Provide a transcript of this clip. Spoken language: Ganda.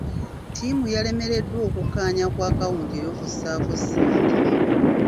Tiimu yalemereddwa okukkaanya ku akawunti ey'okusaako ssente.